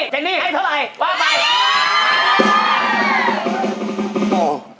เจนนี่ให้เท่าไหร่ว่าไป